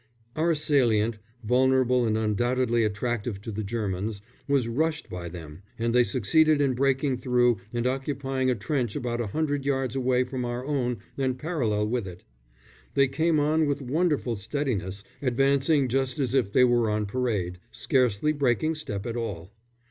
Our salient, vulnerable and undoubtedly attractive to the Germans, was rushed by them, and they succeeded in breaking through and occupying a trench about a hundred yards away from our own and parallel with it. They came on with wonderful steadiness, advancing just as if they were on parade, scarcely breaking step at all.